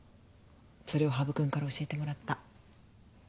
それを羽生君から教えてもらった。